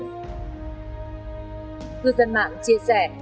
thư dân mạng chia sẻ